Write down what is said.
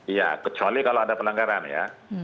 iya kecuali kalau ada pelanggaran ya